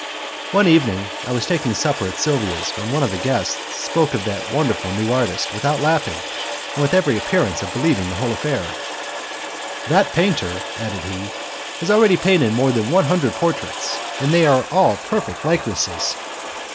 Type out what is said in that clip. One evening I was taking supper at Silvia's when one of the guests spoke of that wonderful new artist, without laughing, and with every appearance of believing the whole affair. "That painter," added he, "has already painted more than one hundred portraits, and they are all perfect likenesses."